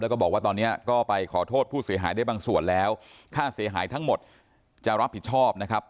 แล้วก็บอกว่าตอนนี้ก็ไปขอโทษผู้เสียหายได้บางส่วนแล้วค่าเสียหายทั้งหมดจะรับผิดชอบนะครับ